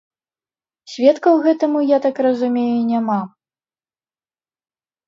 Сведкаў гэтаму, я так разумею, няма.